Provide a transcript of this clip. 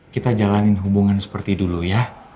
kita jalanin hubungan seperti dulu ya